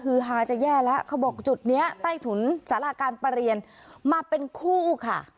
คือฮาจะแย่แล้วเขาบอกจุดนี้ใต้ถุนสาราการประเรียนมาเป็นคู่ค่ะ